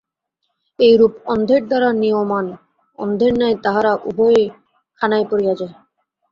এইরূপ অন্ধের দ্বারা নীয়মান অন্ধের ন্যায় তাহারা উভয়েই খানায় পড়িয়া যায়।